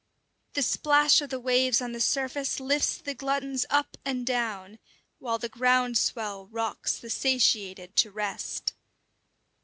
The splash of the waves on the surface lifts the gluttons up and down, while the ground swell rocks the satiated to rest.